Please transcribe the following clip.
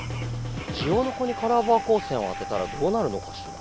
ジオノコにカラーバー光線を当てたらどうなるのかしら？